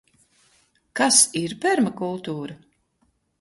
Kas ir permakultūra?